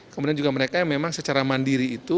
kemudian juga mereka yang memang secara mandiri itu